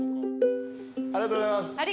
ありがとうございます。